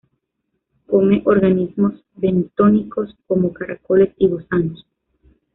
Come organismos bentónicos, como caracoles y gusanos.